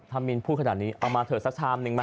ถ้ามินพูดขนาดนี้เอามาเถอะสักชามหนึ่งไหม